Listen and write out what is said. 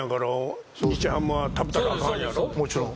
もちろん。